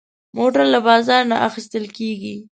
موټر له بازار نه اخېستل کېږي.